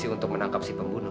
kamu harus menangkap si pembunuh